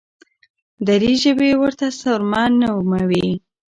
دري ژبي ورته سرمه نوموي.